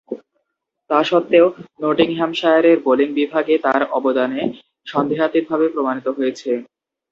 তাসত্ত্বেও নটিংহ্যামশায়ারের বোলিং বিভাগে তার অবদানে সন্দেহাতীতভাবে প্রমাণিত।